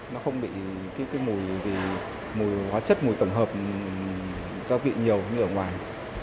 nó không bị cái mùi hóa chất mùi tổng hợp rau vị nhiều như ở ngoài